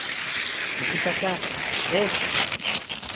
Monsieur Saccard, eh!